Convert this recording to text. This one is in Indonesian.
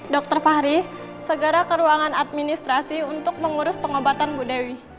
dokter fahri segera ke ruangan administrasi untuk mengurus pengobatan bu dewi